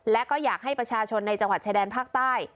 และก็อยากให้ประชาชนในจังหวัดชายแดนภาคใต้